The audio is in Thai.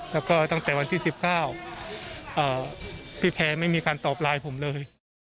แล้วก็ตั้งแต่วันที่๑๙พี่แพร่ไม่มีการตอบไลน์ผมเลย